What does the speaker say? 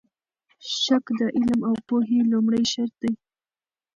شک د علم او پوهې لومړی شرط دی.